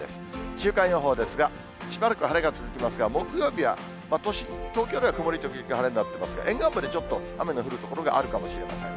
週間予報ですが、しばらく晴れが続きますが、木曜日は都心、東京では曇り時々晴れになってますが、沿岸部でちょっと雨の降る所があるかもしれません。